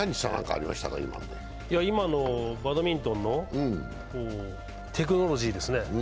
今のバドミントンのテクノロジーですね。